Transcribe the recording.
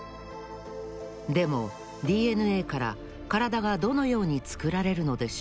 でもＤＮＡからカラダがどのようにつくられるのでしょうか？